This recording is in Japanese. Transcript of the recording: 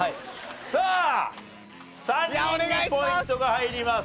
さあ３人にポイントが入ります。